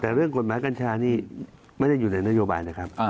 แต่เรื่องกฎหมายกัญชานี่ไม่ได้อยู่ในนโยบายนะครับ